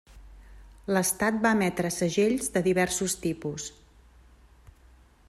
L'estat va emetre segells de diversos tipus.